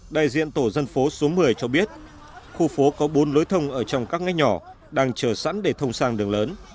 đại diện tổ dân phố số một mươi cho biết khu phố có bốn lối thông ở trong các ngách nhỏ đang chờ sẵn để thông sang đường lớn